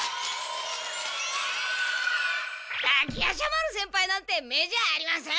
滝夜叉丸先輩なんて目じゃありません！